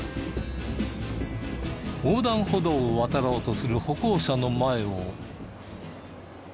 横断歩道を渡ろうとする歩行者の前を。